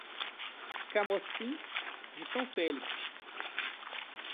Camocim de São Félix